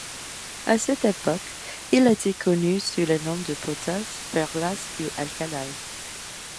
À cette époque, il était connue sous le nom de potasse, perlasse, ou alcali.